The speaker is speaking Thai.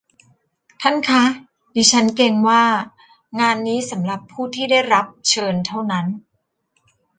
ท่านคะ ดิฉันเกรงว่างานนี้สำหรับผู้ที่ได้รับเชิญเท่านั้น